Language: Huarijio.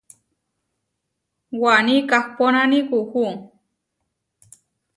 Waní kahponáni kuú.